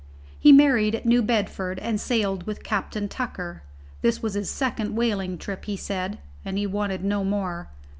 He married at New Bedford and sailed with Captain Tucker this was his second whaling trip, he said, and he wanted no more.